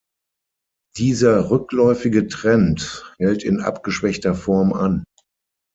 Dieser rückläufige Trend hält in abgeschwächter Form an.